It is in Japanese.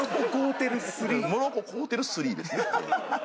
「モロコ飼うてる３」ですね。